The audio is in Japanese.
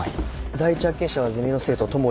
第一発見者はゼミの生徒戸守研策。